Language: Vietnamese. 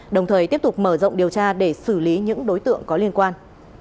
đồng thời tiếp tục mở rộng điều tra để xử lý những đối tượng có liên quan